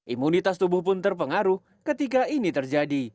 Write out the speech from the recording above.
imunitas tubuh pun terpengaruh ketika ini terjadi